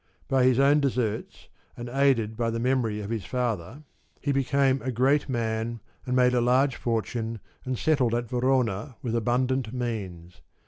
By his own deserts, and aided by the memory of his father, he became a great man and made a large fortune and settled at Verona with abundant means.